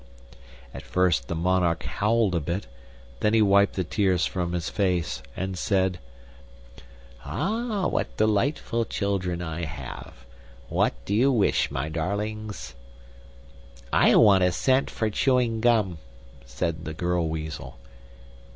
At first the monarch howled a bit; then he wiped the tears from his face and said: "Ah, what delightful children I have! What do you wish, my darlings?" "I want a cent for chewing gum," said the Girl Weasel.